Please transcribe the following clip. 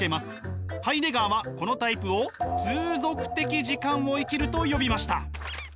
ハイデガーはこのタイプを「通俗的時間を生きる」と呼びました。